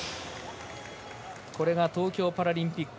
これが東京パラリンピック